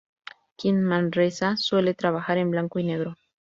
Kim Manresa suele trabajar en blanco y negro.